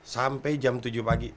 sampai jam tujuh pagi